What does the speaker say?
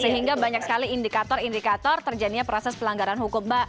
sehingga banyak sekali indikator indikator terjadinya proses pelanggaran hukum mbak